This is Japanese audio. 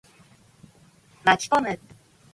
巻き込む。